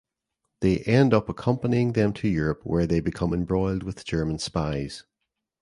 They end up accompanying them to Europe where they become embroiled with German spies.